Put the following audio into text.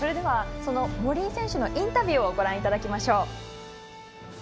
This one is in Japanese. その森井選手のインタビューご覧いただきましょう。